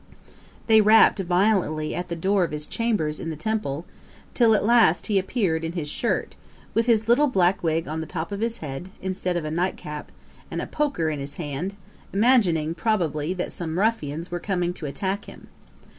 They rapped violently at the door of his chambers in the Temple, till at last he appeared in his shirt, with his little black wig on the top of his head, instead of a nightcap, and a poker in his hand, imagining, probably, that some ruffians were coming to attack him.